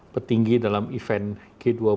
petinggi dalam event g dua puluh